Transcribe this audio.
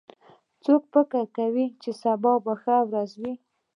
څوک فکر کوي چې سبا به ښه ورځ وي